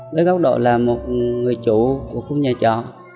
với góc độ là một người chủ của khu nhà trọ